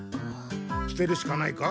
すてるしかないか？